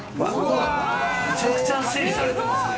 めちゃくちゃ整理されてますね。